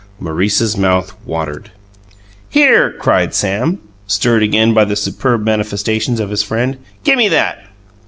Maurice's mouth watered. "Here!" cried Sam, stirred again by the superb manifestations of his friend. "Gimme that!"